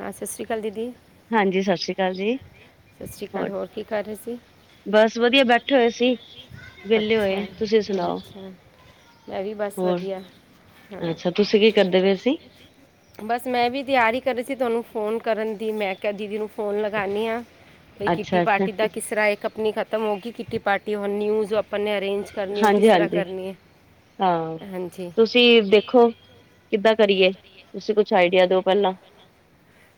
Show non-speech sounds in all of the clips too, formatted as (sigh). ਹਾਂ ਸਤਿ ਸ਼੍ਰੀ ਅਕਾਲ ਦੀਦੀ। ਹਾਂ ਜੀ ਸਤਿ ਸ੍ਰੀ ਅਕਾਲ ਜੀ। ਸਤਿ ਸ਼੍ਰੀ ਅਕਾਲ ਹੋਰ ਕੀ ਕਰ ਰਹੇ ਸੀ ਬਸ ਵਧੀਆ ਬੈਠੇ ਹੋਏ ਸੀ। ਵਿਹਲੇ ਹੋਏ ਅੱਛਾ ਤੁਸੀਂ ਸੁਣਾਓ ਅੱਛਾ। ਮੈਂ ਵੀ ਬਸ ਹੋਰ ਵਧੀਆ ਹਾਂ ਅੱਛਾ ਤੁਸੀਂ ਕੀ ਕਰਦੇ ਪਏ ਸੀ? ਬਸ ਮੈਂ ਵੀ ਤਿਆਰੀ ਕਰ ਰਹੀ ਸੀ ਤੁਹਾਨੂੰ ਫੋਨ ਕਰਨ ਦੀ ਮੈਂ ਕਿਹਾ ਦੀਦੀ ਨੂੰ ਫ਼ੋਨ ਲਗਾਉਂਦੀ ਹਾਂ। ਬਾਈ ਕਿੱਟੀ ਅੱਛਾ ਅੱਛਾ ਪਾਰਟੀ ਦਾ ਕਿਸ ਤਰ੍ਹਾਂ ਇੱਕ ਆਪਣੀ ਖਤਮ ਹੋ ਗਈ ਕਿੱਟੀ ਪਾਰਟੀ। ਹੁਣ ਨਿਊ। ਆਪਾਂ ਨੇ ਅਰੇਂਜ ਕਰਨੀ ਉਹ ਕਿਸ ਹਾਂਜੀ ਤਰ੍ਹਾਂ ਹਾਂਜੀ ਕਰਨੀ ਹੈ? ਹਾਂ ਹਾਂਜੀ ਤੁਸੀਂ ਦੇਖੋ ਕਿੱਦਾਂ। ਕਰੀਏ ਤੁਸੀਂ ਕੁਝ ਆਈਡੀਆ ਦਿਓ ਪਹਿਲਾਂ।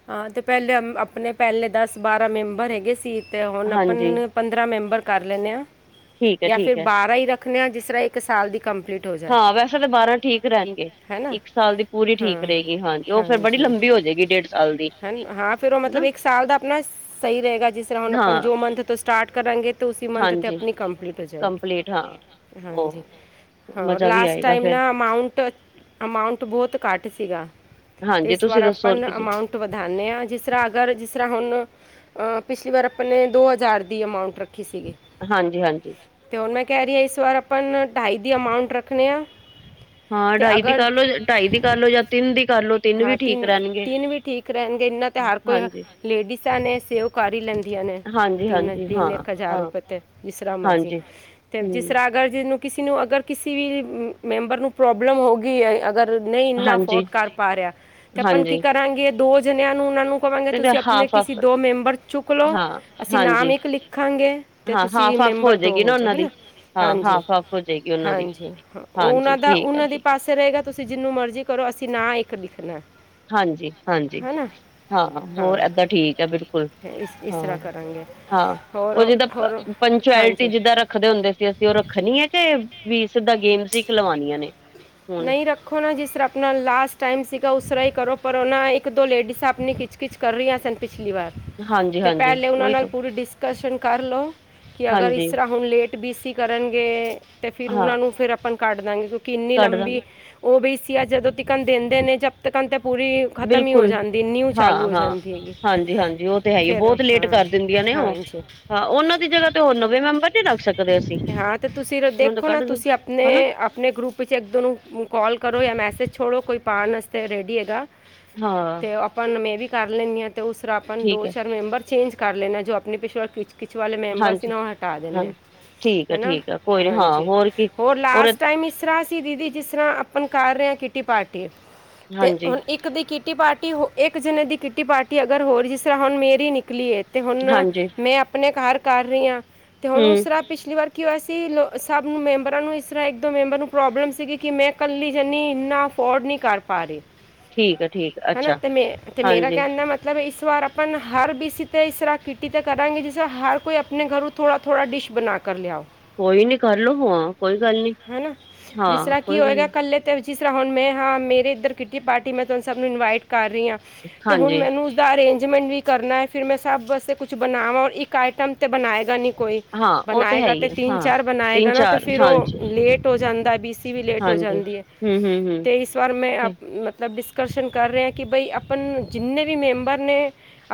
ਹਾਂ ਤੇ ਪਹਿਲੇ ਆਪਣੇ ਪਹਿਲੇ ਦਸ ਬਾਰਾਂ ਮੈਂਬਰ ਹੈਗੇ ਸੀ। ਅਤੇ ਹੁਣ ਆਪਾਂ ਹਾਂਜੀ ਪੰਦਰਾਂ ਮੈਂਬਰ ਕਰ ਲੈਂਦੇ ਹਾਂ ਠੀਕ ਹੈ ਜਾਂ ਫਿਰ ਠੀਕ ਹੈ ਬਾਰਾਂ ਹੀ ਰੱਖ। ਰੱਖਦੇ ਹਾਂ ਜਿਸ ਤਰ੍ਹਾਂ ਇੱਕ ਸਾਲ ਦੀ। ਕੰਪਲੀਟ ਹੋ ਹਾਂ ਜਾਏ ਵੈਸੇ ਤਾਂ ਬਾਰਾਂ ਠੀਕ ਰਹਿਣਗੇ। ਹੈ ਨਾ ਇੱਕ ਸਾਲ ਦੀ ਪੂਰੀ ਠੀਕ ਰਹੇਗੀ। ਹਾਂ ਉਹ ਫੇਰ ਬੜੀ ਲੰਬੀ ਹੋ ਜਾਏਗੀ ਡੇਢ। ਸਾਲ ਦੀ ਹਨ ਹਾਂ ਫੇਰ ਉਹ ਮਤਲਬ ਹਨਾ ਇੱਕ ਸਾਲ ਦਾ ਆਪਣਾ ਸਹੀ ਰਹੇਗਾ ਜਿਸ ਤਰ੍ਹਾਂ ਹੁਣ ਆਪਾਂ ਹਾਂ ਜੋ ਮੰਥ ਤੋਂ। ਸਟਾਰਟ ਕਰਾਂਗੇ ਤਾਂ ਉਸੀ ਮੰਥ 'ਤੇ ਹਾਂਜੀ ਆਪਣੀ ਕੰਪਲੀਟ ਹੋ ਜਾਏਗੀ। ਕੰਪਲੀਟ ਹਾਂ ਹਾਂ ਜੀ। ਉਹ ਹੋਰ ਮਜ਼ਾ ਵੀ ਲਾਸਟ ਆਏਗਾ ਟਾਈਮ ਫੇਰ ਨਾ ਅਮਾਊਟ ਅਮਾਊਂਟ ਬਹੁਤ ਘੱਟ ਸੀਗਾ। ਹਾਂਜੀ ਇਸ ਵਾਰ ਤੁਸੀਂ ਆਪਾ ਦੱਸੋ ਨਾ ਐਮ। ਕਿੰਨੀ ਹੁਣ ਤੋਂ ਵਧਾਉਨੇ ਆ ਜਿਸ ਤਰ੍ਹਾਂ ਅਗਰ ਜਿਸ ਤਰ੍ਹਾਂ ਹੁਣ ਆ ਪਿਛਲੀ ਵਾਰ ਆਪਾਂ ਨੇ ਦੋ ਹਜ਼ਾਰ ਦੀ ਐਮਾਊਂਟ। ਸੀਗੀ ਹਾਂਜੀ ਹਾਂਜੀ ਤੇ ਉਹ ਮੈਂ ਕਹਿ ਰਹੀ ਇਸ ਵਾਰ ਆਪਾਂ ਨਾ ਢਾਈ। ਦੀ ਅਮਾਊਂਟ ਰੱਖਣੇ ਹਾਂ। ਹਾਂ ਢਾਈ ਦੀ ਕਰ ਲ ਲੋ। ਢਾਈ ਦੀ ਕਰ ਲੋ ਜਾਂ ਤਿੰਨ ਦੀ ਕਰ ਲੋ ਤਿੰਨ ਵੀ ਠੀਕ ਰਹਿਣਗੇ। ਤਿੰਨ ਵੀ ਠੀਕ ਰਹਿਣਗੇ। ਇੰਨਾ ਤੇ ਹਰ ਕੋਈ ਹਾਂਜੀ ਲੇਡੀਸਾਂ ਨੇ ਸੇਵ ਕਰ ਹੀ ਲੈਂਦੀਆਂ ਨੇ। ਹਾਂਜੀ ਤਿੰਨ ਹਾਂਜੀ ਤਿੰਨ ਹਾਂ ਇੱਕ ਹਜ਼ਾਰ ਹਾਂ ਰੁਪਏ ਤੇ ਜਿਸਰਾ ਮਰਜੀ ਹਾਂਜੀ ਤੇ ਹੂੰ ਜਿਸਰਾ ਅਗਰ ਜਿਹਨੂੰ। ਕਿਸੇ ਨੂੰ ਅਗਰ ਕਿਸੇ ਵੀ ਮੈਂਬਰ ਨੂੰ ਪ੍ਰੋਬਲਮ ਹੋ ਗਈ ਅਗਰ। ਨਹੀਂ ਇੰਨਾ ਹਾਂਜੀ ਅਫੋਰਡ ਕਰ ਪਾ ਰਿਹਾ ਤੇ ਆਪਾਂ ਕੀ ਹਾਂਜੀ ਕਰਾਂਗੇ ਦੋ ਜਣਿਆਂ ਨੂੰ ਉਹਨਾਂ ਨੂੰ। ਹੋਵਾਂਗੇ। ਤੁਸੀਂ ਆਪਣੇ ਹਾਫ ਕਿਸੀ ਹਾਫ ਦੋ ਮੈਂਬਰ ਚੁੱਕ ਲਓ। ਹਾਂ ਅਸੀਂ ਨਾਮ ਹਾਂਜੀ ਇੱਕ ਲਿਖਾਂਗੇ ਤੇ ਹਾਂ ਤੁਸੀਂ। ਹਾਫ ਹਾਫ ਮੈਂਬਰ ਦੋ ਜਾਏਗੀ ਹੋ ਨਾ ਜਾ ਉਹਨਾਂ ਹਨਾ। ਦੀ ਹਾਂ ਜੀ ਹਾਫ ਹਾਫ ਹੋ ਜਾਏਗੀ ਉਹਨਾਂ ਹਾਂ ਦੀ ਜੀ। ਹਾਂਜੀ ਉਹ ਦਾ ਠੀਕ ਹੈ ਉਹਨਾਂ ਦੀ ਦੀਦੀ, ਪਾਸੇ। ਦੱਸ ਰਹੇਗਾ। ਤੁਸੀਂ ਜਿਹਨੂੰ ਮਰਜ਼ੀ ਕਰੋ ਅਸੀਂ ਨਾ ਇੱਕ ਲਿਖਣਾ। ਹਾਂ ਜੀ ਹਾਂ ਜੀ। ਹੈ ਨਾ ਹਾਂ ਹੋਰ ਏਦਾਂ ਠੀਕ ਹੈ ਬਿਲਕੁਲ। ਤੇ ਇਸ ਇਸ ਹਾਂ ਤਰ੍ਹਾਂ ਕਰਾਂਗੇ। ਹਾਂ ਉਹ ਹੋਰ ਜਿੱਦਾਂ ਹੋਰ ਪੰਚੁਐਲਿਟੀ ਹਾਂਜੀ ਜਿੱਦਾਂ ਰੱਖਦੇ ਹੁੰਦੇ ਸੀ ਅਸੀਂ ਉਹ ਰੱਖਣੀ ਹੈ ਕਿ ਵੀ ਸਿੱਧਾ ਗੇਮ ਖਲਵਾਨੀਆਂ ਨੇ। ਹੁਣ ਨਹੀਂ ਰੱਖੋ ਨਾ ਜਿਸ ਤਰਾਂ ਆਪਣਾ ਲਾਸਟ ਟਾਈਮ ਸੀਗਾ ਉਸਰਾ ਹੀ ਕਰੋ। ਪਰ ਉਹਨਾ ਇੱਕ ਦੋ ਲੇਡੀਜ਼ ਆਪਨੀ ਖਿੱਚ-ਖਿੱਚ ਕਰ ਰਹੀਆਂ ਸਨ ਪਿਛਲੀ ਵਾਰ। ਹਾਂਜੀ ਤੇ ਹਾਂਜੀ ਪਹਿਲੇ ਉਹਨਾਂ ਉਹੀ ਨਾਲ ਤਾਂ ਪੂਰੀ ਡਿਸਕਸ਼ਨ ਕਰ ਲਓ। ਕਿ ਅਗਰ ਹਾਂਜੀ ਇਸਰਾ ਹੁਣ ਲੇਟ ਬੀ ਸੀ ਕਰਨਗੇ ਤੇ ਫਿਰ ਹਾਂ ਉਹਨਾਂ ਨੂੰ ਫਿਰ ਅਪਨ ਕੱਢ ਦਾਂਗੇ ਕਿੂੰ ਕਿੰਨੀ ਲੰ ਕੱਢ ਦਾਂਗੇ ਉਹ ਬ ਸੀ ਆ ਜਦੋਂ ਤਿਕਣ ਦਿੰਦੇ ਨੇ ਜਬਤ ਕਰਨ ਤੇ ਪੂਰੀ ਖ਼ਤਮ ਹੀ ਹੋ ਬਿਲਕੁਲ ਜਾਂਦੀ ਨਿਊ ਹਾਂ ਚਾਲੂ ਹੋ ਹਾਂ ਜਾਂਦੀ ਹੈਗੀ, ਹਾਂਜੀ ਹਾਂਜੀ ਉਹ ਤੇ ਹੈ ਹੀ ਫੇਰ ਬਹੁਤ ਲੇਟ ਹਾਂ। ਕਰ ਦਿੰਦੀਆਂ ਉਹ ਹਾਂਜੀ ਹਾਂ ਉਹਨਾਂ ਦੀ ਜਗਾ ਤੇ ਹੋਰ ਨਵੇਂ ਮੈਂਬਰ ਨੀ ਰੱਖ ਸਕਦੇ ਅਸੀ। ਹਾਂ ਤੇ ਤੁਸੀਂ ਦੇਖੋ ਨਾ ਤੁਸੀਂ ਆਪਨੇ ਹਨਾ ਆਪਨੇ ਗਰੁੱਪ ਚ ਇੱਕ ਦੋ ਨੂੰ ਕਾਲ ਕਰੋ ਯਾ ਮੈਸੇਜ ਛੋੜੋ ਕੋਈ ਪਾਨ ਵਾਸਤੇ ਰੈਡੀ ਹੈਗਾ ਹਾਂ ਤੋਂ ਆਪਾ ਨੂੰ ਮੈਂ ਵੀ ਕਰ ਲੇਨੀ ਹਾਂ ਤੇ ਉਸਰਾ ਆਪਨ ਠੀਕ ਦੋ ਹੈ ਚਾਰ ਮੈਂਬਰ ਚੇਂਜ ਕਰ ਲੈਣਾ ਜੋ ਆਪਣੇ ਪਿਸ (unintelligible) ਕਿਛ ਵਾਲੇ ਮੈਂਬਰ ਸੀ ਹਾਂਜੀ ਨਾ ਉਹ ਹਟਾ ਦਿੰਨੇ ਆ। ਹਾਂਜੀ ਠੀਕ ਹੈ ਹਨਾ, ਠੀਕ ਹੈ ਕੋਈ ਨੀ ਹਾਂ ਹਾਂਜੀ ਕੀ ਹੋਰ ਔਰ ਲਾਸਟ ਟਾਈਮ ਇਸਰਾ ਸੀ ਦੀਦੀ ਜਿਸ ਤਰ੍ਹਾਂ ਕਰ ਰਿਹੇ ਆ ਕਿੱਟੀ ਪਾਰਟੀ ਤੇ ਹਾਂਜੀ ਹੁਣ ਇੱਕ ਦੀ ਕੀ ਕਿੱਟੀ ਪਾਰਟੀ ਹੋ ਇੱਕ ਜਣੇ ਦੀ ਕਿੱਟੀ ਪਾਰਟੀ ਅਗਰ ਹੋਰ ਜਿਸ ਤਰ੍ਹਾਂ ਹੁਣ ਮੇਰੀ ਨਿਕਲੀ ਹੈ। ਤੇ ਹੁਣ ਹਾਂਜੀ ਮੈਂ ਆਪਣੇ ਘਰ ਕਰ ਰਹੀ ਹਾਂ ਤੇ ਹੁਣ ਉਸ ਹਮ ਤਰਾ ਪਿਛਲੀ ਵਾਰ ਕੀ ਹੋਇਆ ਸੀ ਲੋ ਸਭ ਨੂੰ ਮੈਂਬਰਾਂ ਨੂੰ ਇਸਰਾ ਇੱਕ ਦੋ ਮੈਂਬਰ ਨੂੰ ਪ੍ਰੋਬਲਮ ਸੀਗੀ। ਕਿ ਮੈਂ ਕੱਲੀ ਜਨੀ ਇੰਨਾ ਅਫੋਰਡ ਨਹੀਂ ਕਰ ਪਾ ਰਹੀ। ਠੀਕ ਹੈ ਠੀਕ ਹੈ ਹਨਾ ਅੱਛਾ ਤੇ ਮੇ ਤੇ ਮੇਰਾ ਹਾਂਜੀ ਕਹਨ ਦਾ ਮਤਲਬ ਇਸ ਵਾਰ ਅਪਨ ਹਰ ਬੀ ਸੀ ਤੇ ਇਸਰਾ ਕਿੱਟੀ ਤੇ ਕਰਾਂਗੇ ਜਿਸ ਤਰ੍ਹਾਂ ਹਰ ਕੋਈ ਆਪਣੇ ਘਰੋਂ ਥੋੜ੍ਹਾ-ਥੋੜ੍ਹਾ ਡਿਸ਼ ਬਣਾ ਕਰ ਲਿਆਓ। ਕੋਈ ਨੀ ਕਰਲੋ ਹਾਂ ਕੋਈ ਗੱਲ ਨੀ ਹੈ ਨਾ ਹਾਂ। ਜਿਸ ਤਰ੍ਹਾਂ ਕੀ ਕੋਈ ਗੱਲ ਹੋਏਗਾ ਨੀ ਕੱਲੇ ਤਾਂ ਜਿਸ ਤਰ੍ਹਾਂ ਹੁਣ ਮੈਂ ਹਾਂ ਮੇਰੇ ਇੱਧਰ ਕੀਤੀ ਪਾਰਟੀ ਮੈਂ ਤੁਹਾਨੂੰ ਸਭ ਨੂੰ ਇਨਵਾਈਟ ਕਰ ਰਹੀ ਹਾਂ ਤੇ ਹੁਣ ਹਾਂਜੀ ਮੈਨੂੰ ਉਸਦਾ ਅਰੇਂਜ ਮੈਂਟ ਵੀ ਕਰਨਾ ਹੈ ਫਿਰ ਮੈਂ ਸਭ ਆਸੇ ਕੁਛ ਬਣਾਵਾਂ ਇੱਕ ਆਈਟਮ ਤੇ ਬਨਾਏਗਾ ਨੀ। ਕੋਈ ਹਾਂ ਉਹ ਹੈ ਬਣਾਏਗਾ ਤੇ ਹੀ ਹੈ ਹਾਂ ਤਿੰਨ-ਚਾਰ ਤਿੰਨ ਬਣਾਏਗਾ ਨਾ ਤਾਂ ਚਾਰ ਫਿਰ ਉਹ ਹਾਂਜੀ ਲੇਟ ਹੋ ਜਾਂਦ ਬੀ ਸੀ ਵੀ ਲੇਟ ਹੋ ਹਾਂਜੀ ਜਾਂਦੀ ਹੈ ਹਮ ਹਮ ਹਮ ਤੇ ਇਸ ਵਾਰ ਮੈਂ ਅੱਛਾ ਮਤਲਬ ਡਿਸਕ ਕਸ਼ਣ ਕਰ ਰਿਹੇ ਹ ਕਿ ਬਈ ਅਪਨ ਜਿੰਨੇ ਵੀ ਮੈਂਬਰ ਨੇ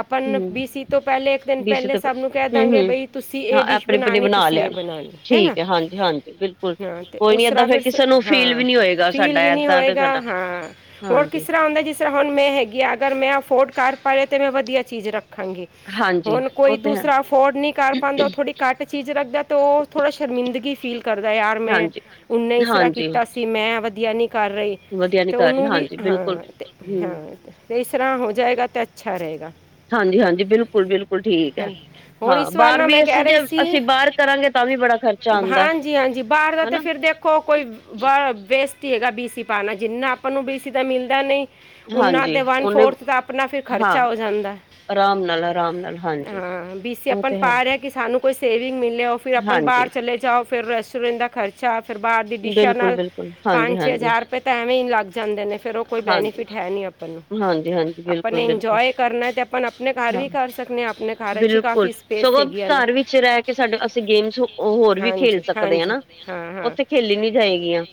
ਆਪਨ ਹੂੰ, ਬੀ ਸੀ ਤੋਂ ਪਹਿਲੇ ਇੱਕ ਦਿਨ ਬੀਸੀ ਪਹਿਲੇ ਤੇ ਸਭ ਨੂੰ ਕਹਿ ਦਾਂਗੇ ਹੂੰ-ਹੂੰ ਬਈ ਤੁਸੀਂ ਹਾਂ ਇਹ ਡਿਸ਼ ਐਪਣੀ-ਆਪਣੀ ਬਣਾਣੀ ਬਣਾ ਤੁਸੀਂ ਲਿਆਣਾ। ਬਣਾਣੀ ਹੈ ਨਾ, ਠੀਕ ਐ ਹਾਂਜੀ-ਹਾਂਜੀ ਬਿਲਕੁਲ। ਹਾਂ ਤੇ ਕੋਈ ਨੀ ਏਦਾਂ ਉਸਰਾ ਫੇਰ ਕਿਸੇ ਨੂੰ ਫੀਲ ਹਾਂ ਵੀ ਨੀ ਹੋਏਗਾ ਫੀਲ ਸਾਡਾ ਵੀ ਨਹੀ ਏਦਾਂ ਤੇ ਹੋਏਗਾ ਸਾਡਾ ਹਾਂ ਹੋਰ ਹਾਂਜੀ। ਕਿਸਰਾ ਹੁੰਦਾ ਜਿਸਰਾ ਹੁਣ ਮੈਂ ਹੈਗੀ ਹ ਅਗਰ ਮੈਂ ਅਫੋਡ ਕਰ ਪਾ ਰਿਹਾ ਤੇ ਮੈਂ ਵਧੀਆ ਚੀਜ਼ ਰੱਖ ਖਾਂਗੀ ਹਾਂਜੀ ਹੁਣ ਓ ਕੋਈ ਤੇ ਹੈ ਦੂਸਰਾ ਅਫੋਡ ਨਹੀਂ ਕਰ ਪਾਦਾ ਉਹ ਥੋੜੀ ਘੱਟ ਚੀਜ਼ ਰੱਖਦਾ ਤੇ ਉਹ ਥੋੜਾ ਸ਼ਰਮਿੰਦਗੀ ਫੀਲ ਕਰਦਾ ਯਾਰ ਮੈਂ ਉਨੇ ਇਸਰਾ ਹਾਂਜੀ-ਹਾਂਜੀ ਕੀਤਾ ਸੀ ਮੈਂ ਵਧੀਆ ਨੀ ਕਰ ਰਹੀ ਵਧੀਆ ਨੀ ਤੇ ਕਰ ਰਹੀ ਉਹਨੂੰ ਵੀ ਹਾਂਜੀ ਬਿਲਕੁਲ। ਹਾਂ ਤੇ ਹੂੰ ਹਾਂ ਤਰਾ ਹੋ ਜਾਏਗਾ ਤਾਂ ਅੱਛਾ ਰਹੇਗਾ। ਹਾਂਜੀ-ਹਾਂਜੀ ਬਿਲਕੁਲ-ਬਿਲਕੁਲ ਠੀਕ ਹੈ ਨਾ। ਹੋਰ ਹਾਂ ਇਸ ਬਾਹਰ ਵੀ ਅਸੀਂ ਜੇ ਅਸੀਂ ਬਾਹਰ ਕਰਾਂਗੇ ਤਾਂ ਵੀ ਬੜਾ ਖਰਚਾ ਆਂਦਾ ਹਾਂਜੀ-ਹਾਂਜੀ ਬਾਹਰ ਦਾ ਤੇ ਹਨਾ। ਫਿਰ ਦੇਖੋ ਕੋਈ ਵਾ ਵੇਸਟ ਹੀ ਹੈਗਾ ਬੀ ਸੀ ਪਾਉਣਾ ਜਿੰਨਾ ਆਪਾਂ ਨੂੰ ਬੀ ਸੀ ਦਾ ਮਿਲਦਾ ਨੀ ਉਹਨਾਂ ਹਾਂਜੀ ਤੇ ਓਨੇ ਵਨ-ਫੋਰਥ ਦਾ ਆਪਣਾ ਫਿਰ ਹਾਂ ਖ਼ਰਚਾ ਹੋ ਜਾਂਦਾ। ਆਰਾਮ ਨਾਲ ਆਰਾਮ ਨਾਲ ਹਾਂਜੀ ਹਾਂ ਬੀਸੀ ਓ ਆਪਨ ਤੇ ਹੈ ਪਾ ਰੇ ਹਾਂ ਕੇ ਸਾਨੂੰ ਕੋਈ ਸੇਵਿੰਗ ਮਿਲੇ ਹੋ ਫਿਰ ਆਪਾਂ ਬਾਹਰ ਹਾਂਜੀ ਚਲੇ ਜਾਓ ਫਿਰ ਰੈਸਟੋਰੈਂਟ ਦਾ ਖਰਚਾ ਫਿਰ ਬਾਹਰ ਦੀ ਡਿਸ਼ਾਂ ਨਾਲ ਬਿਲਕੁਲ-ਬਿਲਕੁਲ ਪੰਜ-ਛੇ ਹਾਂਜੀ-ਹਾਂਜੀ। ਹਜ਼ਾਰ ਰੁਪਏ ਤਾਂ ਐਵੇਂ ਹੀ ਲੱਗ ਜਾਂਦੇ ਨੇ ਫਿਰ ਉਹ ਕੋਈ ਹਾਂਜੀ, ਬੈਨੀਫਿਟ ਹੈ ਨੀ ਅ ਹਾਂਜੀ, ਹਾਂਜੀ ਆਪਾਂ ਬਿਲਕੁਲ, ਨੇ ਬਿਲਕੁਲ ਇੰਜੋਏ ਕਰਨਾ ਤੇ ਆਪਨ ਆਪਨੇ ਘਰ ਹਾਂ ਵੀ ਕਰ ਸਕਦੇ ਹਾਂ ਆਪਣੇ ਘਰ ਚ ਹੀ ਬਿਲਕੁਲ ਕਾਫੀ ਸਪੇਸ ਸਗੋਂ ਹੈਗੀਆਂ ਨੇ ਘਰ ਵਿੱਚ ਰਹਿ ਕੇ ਸਾਡੇ ਅਸੀਂ ਗੇਮਸ ਹੋਰ ਵੀ ਖੇਲ ਹਾਂਜੀ ਸਕਦੇ ਹ ਹਾਂਜੀ ਨਾ ਹਾਂ ਹਾਂ ਉੱਥੇ ਖੇਲੀ ਨੀ ਜਾਏਗੀਆਂ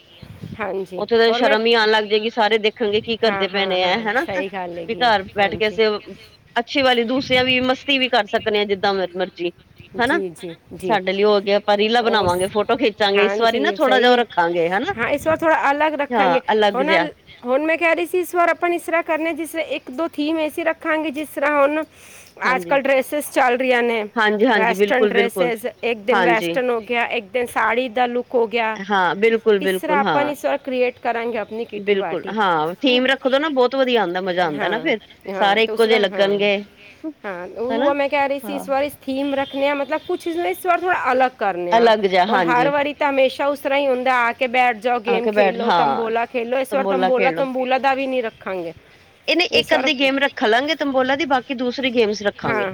ਹਾਂਜੀ ਉੱਥੇ ਤਾਂ ਹੋਰ ਮੈਂ ਸ਼ਰਮ ਹੀ ਆਉਣ ਲੱਗ ਜਾਏਗੀ ਸਾਰੇ ਦੇਖਣਗੇ ਕੀ ਹਾਂ ਕਰਦੇ ਪੇਣੇ ਐ। ਹਨਾ ਸਹੀ ਗੱਲ ਵੀ ਹੈਗੀ ਹੈ ਘਰ ਬੈਠ ਕੇ ਅਸੀੇ ਅੱਛੀ ਵਾਲੀ ਦੂਸਰਿਆਂ ਵੀ ਮਸਤੀ ਵੀ ਕਰ ਸਕਦੇ ਹਾਂ ਜਿੱਦਾਂ ਮ ਮਰਜ਼ੀ। ਮਤਲਬ ਹੈਨਾ ਜੀ ਜੀ ਜੀ ਸਾਡੇ ਲਈ ਹੋ ਗਿਆ ਆਪਾਂ ਰੀਲਾਂ ਉਸ ਬਣਾਵਾਂਗੇ ਫੋਟੋ ਖਿੱਚਾਂਗੇ ਇਸ ਵਾਰੀ ਹਾਂਜੀ ਨਾ ਥੋੜਾ ਸਹੀ ਜਿਹਾ। ਹੈ ਰੱਖਾਂਗੇ ਹੈਨਾ ਹਾਂ ਇਸ ਵਾਰ ਹਾਂ ਅਲੱਗ ਹੁਣ ਜਿਹਾ। ਅਲ- ਹੁਣ ਮੈਂ ਕਹਿ ਰਹੀ ਸੀ ਇਸ ਵਾਰ ਆਪਾਂ ਇਸ ਤਰ੍ਹਾਂ ਕਰਨਾ ਜਿਸ ਤਰ੍ਹਾਂ ਇੱਕ ਦੋ ਥੀਮ ਐਸੀ ਰੱਖਾਂਗੇ ਜਿਸ ਤਰ੍ਹਾਂ ਹੁਣ। ਅੱਜ ਹਾਂਜੀ, ਕੱਲ ਡ੍ਰੈਸਿਸ ਚੱਲ ਰਹੀਆਂ ਨੇ। ਹਾਂਜੀ, ਹਾਂਜੀ ਵੈਸਟਰਨ ਬਿਲਕੁਲ, ਬਿਲਕੁਲ ਡ੍ਰੈਸਿਸ ਇੱਕ ਦਿਨ ਹਾਂਜੀ ਵੈਸਟਰਨ ਹੋ ਗਿਆ ਇੱਕ ਦਿਨ ਸਾੜੀ ਦਾ ਲੁੱਕ ਹੋ ਗਿਆ। ਹਾਂ ਬਿਲਕੁਲ ਇਸ ਤਰ੍ਹਾਂ ਬਿਲਕੁਲ ਆਪਾਂ ਹਾਂ ਇਸ ਵਾਰ ਕ੍ਰੀਏਟ ਕਰਾਂਗੇ ਆਪਣੀ ਕਿਟੀ ਬਿਲਕੁਲ ਪਾਰਟੀ ਹਾਂ ਥੀਮ ਰੱਖਦੋ ਨਾ ਬਹੁਤ ਵਧੀਆ ਆਉਂ। ਦਾ ਮਜ਼ਾ ਆਉਂਦਾ ਨਾ ਫੇਰ ਸਾਰੇ ਇੱਕੋ ਜੇ ਲੱਗਣਗੇ। ਹਨਾ ਹਾਂ ਮੈਂ ਕਹਿ ਰਹੀ ਸੀ ਹਾਂ ਇਸ ਵਾਰ ਇਸ ਥੀਮ ਰੱਖਣੇ ਆ ਮਤਲਬ ਕੁਛ ਇਸ ਵਾਰ ਥੋੜ੍ਹਾ ਅਲਗ। ਕਰਨੇਆ ਅਲੱਗ ਜਾ ਔਰ ਹਰ ਹਾਂਜੀ ਵਾਰੀ ਤਾਂ ਹਮੇਸ਼ਾ ਉਸ ਤਰਾ ਹੀ। ਆ ਕੇ ਬੈਠ ਜਾਓ ਆ ਗੇਮ ਕੇ ਬੈਠ ਖੇਲੋ ਹਾਂ ਤੰਬੋਲਾ ਖੇਲੋ ਇਸ ਵਾਰ ਤੰਬੋਲਾ ਤੰਬੂਲਾ ਦਾ ਵੀ ਨੀ ਰੱਖਾਂਗੇ। ਇਹਨੇ ਇੱਕ ਅੱਧੀ ਗੇਮ ਰੱਖ ਲਾਂਗੇ ਤੰਬੋਲਾ ਦੀ ਬਾਕੀ ਦੂਸਰੀ ਗੇਮਸ ਰੱਖਾਂਗੇ।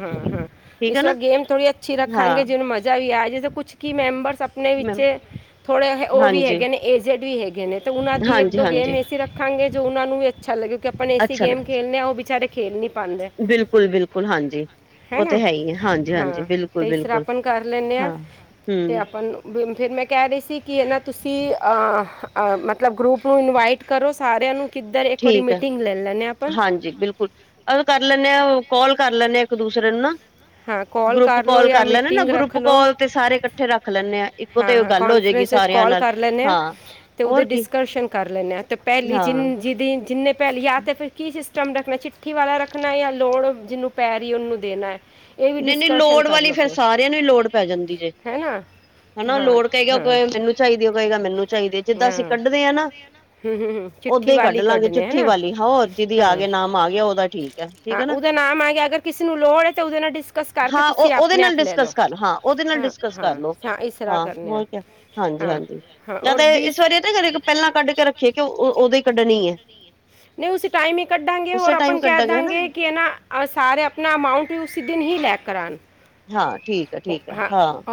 ਠੀਕ ਹੈ ਇਸ ਵਾਰ ਨਾ ਗੇਮ ਥੋੜੀ ਅੱਛੀ ਰੱਖਾਂਂਗੇ ਹਾਂ ਜਿਨੂੰ ਮਜ਼ਾ। ਵੀ ਆ ਜ ਕੁਛ ਕੀ ਮੈਂਬਰਸ ਆਪਣੇ ਵਿੱਚ ਮੈਮ ਥੋੜੇ ਉਹ ਵੀ ਹਾਂਜੀ ਹੈਗੇ ਨੇ ਏਜ਼ਡ ਵੀ ਹੈਗੇ ਨੇ। ਤੇ ਉਹਨਾਂ ਦੀ ਇੱਕ ਹਾਂਜੀ ਦੋ ਗੇਮ ਹਾਂਜੀ ਐਸੀ ਰੱਖਾਂਗੇ ਜੋ ਉਹਨਾਂ ਨੂੰ ਵੀ ਅੱਛਾ ਲਗੇ ਆਪਾਂ ਐਸੀ ਅੱਛਾ ਲ ਗੇਮ ਖੇਡਣੇ ਹਾਂ ਉਹ ਵਿਚਾਰੇ। ਖੇਲ ਨਹੀਂ ਪਾਉਂਦੇ ਬਿਲਕੁਲ ਬਿਲਕੁਲ ਹਾਂਜੀ। ਉਹ ਤਾਂ ਹੈ ਹੀ ਆ ਹਾਂਜੀ ਹਾਂਜੀ ਹਾਂ ਬਿਲਕੁਲ ਤੇ ਇਸ ਤਰ੍ਹਾਂ ਬਿਲਕੁਲ ਆਪਾਂ ਕਰ ਲੈਨੇ ਆ ਹਾਂ ਤੇ ਹਮ। ਆਪਾਂ ਨੂੰ- ਵੀ ਫਿਰ ਮੈਂ ਕਹਿ ਰਹੀ ਸੀ ਕਿ ਇਹ ਨਾ ਤੁਸੀਂ ਮਤਲਬ ਗਰੁੱਪ ਨੂੰ ਇਨਵਾਈਟ ਕਰੋ ਸਾਰਿਆਂ ਨੂੰ। ਕਿੱਧਰ ਇੱਕ ਵਾਰੀ ਠੀਕ ਹੈ ਮੀਟਿੰਗ ਲੈ ਲੈਨੇ ਆ ਆਪਾਂ ਹਾਂਜੀ ਬਿਲਕੁਲ ਕਰ ਲੈਂਨ ਹਾਂ ਕੋਲ ਕਰ ਲੈਂਦੇ ਹਾਂ। ਇੱਕ ਦੂਸਰੇ ਨੂੰ ਨਾ। ਹਾਂ ਕਾਲ ਗਰੁੱਪ ਲਓ ਕਾਲ ਜਾਂ ਕਰ ਲੈਣੇ ਨਾ ਮੀਟਿੰਗ ਰੱਖ ਗਰੁੱਪ ਲਓ ਕਾਲ ਤੇ ਸਾਰੇ ਇਕੱਠੇ ਰੱਖ ਲੈਣੇ ਆ। ਇੱਕੋ ਹਾਂ ਤੇ ਹਾਂ ਗੱਲ ਹੋ ਜਾਏਗੀ ਕੋਨਫਰੇਂਸ ਵਿੱਚ ਸਾਰਿਆਂ ਕਾਲ ਨਾਲ ਕਰ ਲੈਂਨੇ ਹਾਂ ਤੇ ਉਹਦੇ ਹੋਰ ਕੀ ਡਿਸਕਸ਼ਨ ਕਰ ਲੈਂਦੇ ਤੇ ਪਹਲੀ ਹਾਂ (unintelligible) ਜਿੰਨੇ ਭੈਣ ਯਾ ਤੇ ਫਿਰ ਕੀ ਸਿਸਟਮ ਰੱਖਣਾ ਚਿੱਠੀ ਵਾਲਾ ਰੱਖਣਾ ਜਾਂ ਲੋੜ ਜਿਹਨੂੰ ਪੈ ਰਹੀ ਹੈ ਉਹਨੂੰ ਦੇਣਾ। ਇਹ ਵੀ ਨਹੀਂ ਨਹੀਂ ਡਿਸਕਸ਼ਨ ਲੋੜ ਕਰ ਵਾਲੀ ਲਓ ਫੇਰ ਫਿਰ ਸਾਰਿਆਂ ਨੂੰ ਹੀ ਲੋੜ ਪੈ ਜਾਂਦੀ ਜੇ। ਹੈ ਨਾ ਤੇ ਜਿੰਨਾ ਹਾਂ ਹਾਂ ਲੋੜ ਕਹੇ ਉਹ ਹਾਂ ਕਹੇ ਮੈਨੂੰ ਚਾਹੀਦੀ ਉਹ ਕਹੇਗਾ ਮੈਨੂੰ ਚਾਹੀਦੀ ਏ ਜਿੱਦਾਂ ਅਸੀਂ ਹੂੰ, ਕੱਢਦੇ ਹਾਂ ਨਾ। ਹੂੰ, ਹੂੰ, ਚਿੱਠੀ ਓਦਾਂ ਹੀ ਕੱਢ ਵਾਲੀ ਲਾਂਗੇ ਕੱਢਨੇ ਹੈ ਚਿੱਠੀ ਨਾ ਵਾਲੀ ਹੋਰ ਜਿਹਦੀ ਆ ਗਿਆ ਨਾਮ ਆ ਗਿਆ ਉਹਦਾ ਠੀਕ ਹੈ ਠੀਕ ਹੈ ਨਾ। ਜਿਹਦਾ ਨਾਮ ਆ ਗਿਆ ਅਗਰ ਕਿਸੇ ਨੂੰ ਲੋੜ ਹੈ ਤਾਂ ਉਹਦੇ ਨਾਲ ਡਿਸਕਸ ਕਰਕੇ ਹਾਂ ਤੁਸੀਂ ਉਹ ਉਹਦੇ ਆਪਣੇ ਨਾਲ ਆਪ ਲੈ ਲਓ ਡਿਸਕਸ ਕਰ ਹਾਂ ਉਹਦੇ ਨਾਲ ਹੂੰ ਡਿਸਕਸ ਕਰ ਲੋ ਹਾਂ ਇਸ। ਹਾਂ ਕਰਨੇ ਆ ਹੋਰ ਕਯਾ ਹਾਂਜੀ ਹਾਂ ਹਾਂਜੀ। ਹਾਂ ਜਾਂ ਔਰ ਤੇ ਇਸ ਵਾਰੀ ਇਹ ਤਾਂ ਪਹਿਲਾਂ ਕੱਢ ਕੇ ਰੱਖੀਏ ਕਿ ਉਹ ਉਦੋਂ ਹੀ ਕੱਢਣੀ ਏ। ਨਹੀਂ ਉਸ ਟਾਈਮ ਹੀ ਕੱਢਾਂਗੇ ਹੋਰ ਉਸੇ ਆਪਾਂ ਟਾਈਮ ਕਹਿ ਕੱਢਾਂਗੇ ਹਨਾ ਦਾਂਗੇ ਕਿ ਨਾ ਸਾਰੇ ਆਪਣਾ ਅਮਾਊਂਟ ਹੀ। ਉਸੀ ਦਿਨ ਹੀ ਲੈ ਕਰ ਆਉਣ। ਹਾਂ ਠੀਕ ਹੈ ਠੀਕ ਹੈ ਹਾਂ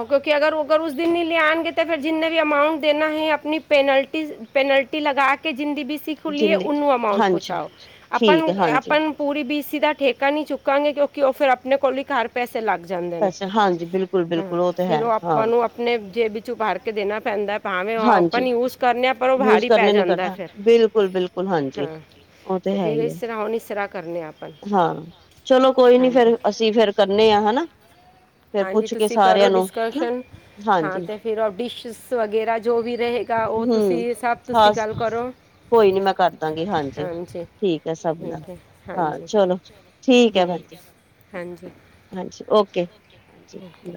ਕਿਉਂਕਿ ਅਗਰ ਉਹ। ਉਸ ਦਿਨ ਨਹੀਂ ਲੈ ਆਉਣਗੇ ਤਾਂ ਫਿਰ ਜਿੰਨੇ ਵੀ ਅਮਾਊਂਟ ਦੇਣਾ ਹੈ ਆਪਣੀ ਪੈਨਲਟੀ ਪੈਨਲਟੀ ਲਗਾ ਕੇ ਜੋ। ਜਿੰਨਦੀ ਬੀਸੀ ਖੁੱਲੀ ਏ ਜਿੰਨੀ ਉਹਨੂੰ ਅਮਾਊਂਟ ਹਾਂਜੀ ਪਹੁੰਚਾਓ ਆਪਾਂ ਠੀਕ ਨੂੰ ਹੈ ਆਪ ਹਾਂਜੀ ਪੂਰੀ ਬੀਸੀ। ਦਾ ਠੇਕਾ ਨਹੀਂ ਚੁੱਕਾਂਗੇ ਕਿਉਂਕਿ ਉਹ ਫਿਰ ਆਪਣੇ ਕੋਲ ਹੀ ਘਰ ਪੈਸੇ ਲੱਗ ਜਾਂਦੇ ਨੇ। ਪੈਸੇ ਹਾਂਜੀ ਬਿਲਕੁਲ ਹਾਂ ਬਿਲਕੁਲ ਤਾਂ ਫਿਰ ਹੈ ਉਹ ਹਾਂ ਆਪਾਂ ਨੂੰ ਆਪਣੇ ਜੇਬ ਵਿੱਚਓ ਭਾਰ ਕੇ ਦੇਣਾ ਪੈਂਦਾ ਏ ਭਾਵੇਂ ਹਾਂਜੀ ਓਪਨ ਯੂਜ ਕਰਨੇ ਆ ਪਰ ਉਹ ਯੂਜ ਭਾਰੀ ਪੈ ਕਰਨੇ ਨੀ ਜਾਂਦਾ ਕਰਦਾ ਫਿਰ ਬਿਲਕੁਲ ਬਿਲਕੁਲ ਹਾਂਜੀ ਹਾਂ। ਉਹ ਤੇ ਹੈ ਫਿਰ ਹੀ ਹੈ ਇਸਤਰ੍ਹਾਂ ਹੁਣ ਇਸਤਰਾਂ ਕਰਨੇਆ ਆਪ। ਹਾਂ ਚਲੋ ਕੋਈ ਨੀ ਫੇਰ ਅਸੀਂ ਫੇਰ ਕਰਨੇ ਆ ਹੈਨਾ। ਹਾਂਜੀ ਤੁਸੀਂ ਕਰੋ ਡਿਸਕਸ਼ਨ ਹਾਂ ਹਾਂਜੀ ਤੇ ਫਿਰ ਉਹ ਡਿਸ਼ਿਸ ਵਗ। ਮੇਰਾ ਜੋ ਵੀ ਰਹੇਗਾ ਉਹ ਹਮ ਤੁਸੀਂ ਸਭ ਤੁਸੀਂ ਹਾਂ ਗੱਲ ਕਰੋ। ਕੋਈ ਨੀ ਮੈਂ ਕਰ ਦਾਂਗੀ ਹਾਂਜੀ ਠੀਕ ਹੈ ਸਭ ਨਾਲ ਠੀਕ ਹੈ ਹਾਂ ਹਾਂਜੀ ਚਲੋ। ਠੀਕ ਹੈ ਹੂੰ ਭੈਣ ਜੀ ਹਾਂਜੀ ਹਾਂਜੀ ਓਕੇ। ਹਾਂਜੀ। Okay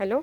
hello.